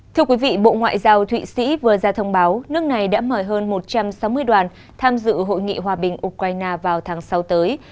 thưa quý vị bộ ngoại giao thụy sĩ vừa ra thông báo nước này đã mời hơn một trăm sáu mươi đoàn tham dự hội nghị hòa bình ukraine vào tháng sáu tới